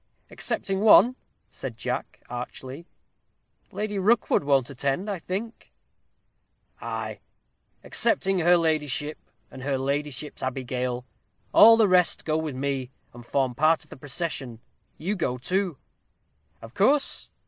"Excepting one," said Jack, archly. "Lady Rookwood won't attend, I think." "Ay, excepting her ladyship and her ladyship's abigail. All the rest go with me, and form part of the procession. You go too." "Of course.